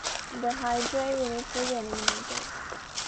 The Hy-Drive unit was eliminated.